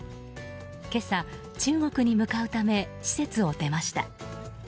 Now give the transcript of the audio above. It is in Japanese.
今朝、中国に向かうため施設を出ました。